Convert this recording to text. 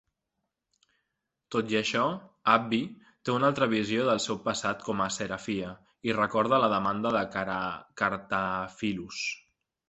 Tot i això, Abby té una altra visió del seu passat com a Seraphia i recorda la demanda de Cartaphilus.